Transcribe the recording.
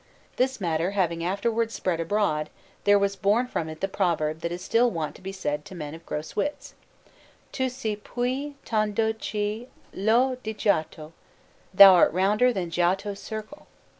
This matter having afterwards spread abroad, there was born from it the proverb that is still wont to be said to men of gross wits: "Tu sei più tondo che l' O di Giotto!" ("Thou art rounder than Giotto's circle").